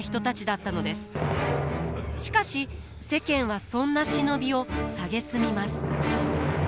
しかし世間はそんな忍びを蔑みます。